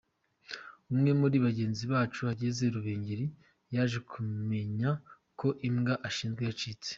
Umwe muri bagenzi bacu ageze Rubengera yaje kumenya ko imbwa ashinzwe yabacitse.